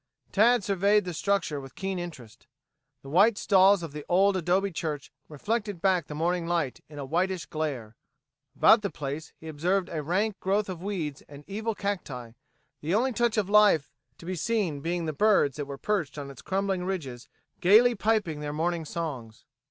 Tad surveyed the structure with keen interest. The white walls of the old adobe church reflected back the morning light in a whitish glare. About the place he observed a rank growth of weeds and evil cacti, the only touch of life to be seen being the birds that were perched on its crumbling ridges, gayly piping their morning songs.